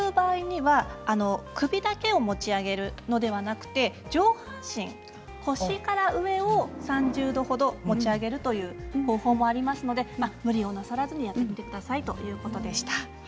首だけを持ち上げるのではなく上半身、腰から上を３０度程持ち上げるという方法もありますので無理をなさらずにということでした。